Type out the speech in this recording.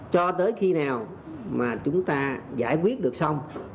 cho tới khi nào mà chúng ta giải quyết được xong